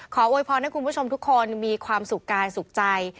โวยพรให้คุณผู้ชมทุกคนมีความสุขกายสุขใจ